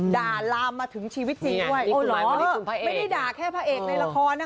ลามมาถึงชีวิตจริงด้วยโอ้เหรอไม่ได้ด่าแค่พระเอกในละครนะคะ